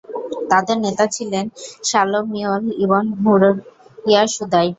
তাদের নেতা ছিলেন শালো মীঈল ইবন হুরইয়া শুদাই।